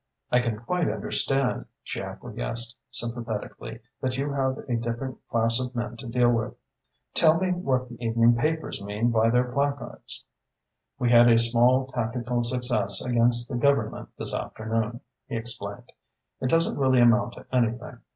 "I can quite understand," she acquiesced sympathetically, "that you have a difficult class of men to deal with. Tell me what the evening papers mean by their placards?" "We had a small tactical success against the Government this afternoon," he explained. "It doesn't really amount to anything.